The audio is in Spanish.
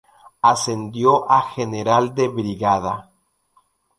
Ascendió a general de brigada.